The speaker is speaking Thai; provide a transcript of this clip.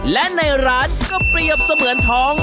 และในร้านก็เปรียบเสมือนท้อง